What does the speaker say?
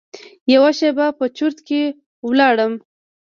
یوه شېبه په چرت کې لاړم.